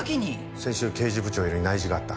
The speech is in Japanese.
先週刑事部長より内示があった。